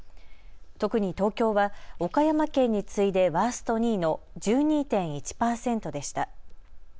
特に東京は岡山県に次いでワースト２位の１２．１％でした。